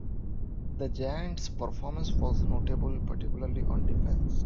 The Giants performance was notable, particularly on defense.